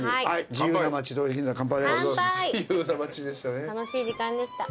自由な街でしたね。